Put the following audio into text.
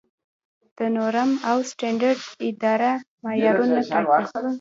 د نورم او سټنډرډ اداره معیارونه ټاکي؟